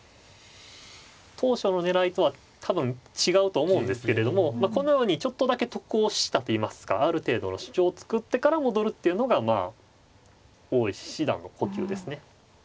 当初の狙いとは多分違うと思うんですけれどもこのようにちょっとだけ得をしたっていいますかある程度の主張を作ってから戻るっていうのがまあ大石七段の呼吸ですね。